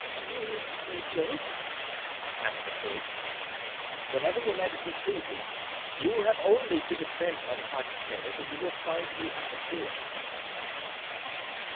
"We may go, then?" asked the queen. "Whenever your majesty pleases. You have only to descend by the private stairs and you will find me at the door."